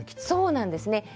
そうなんですね。